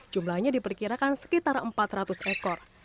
jumlahnya diperkirakan sekitar empat ratus ekor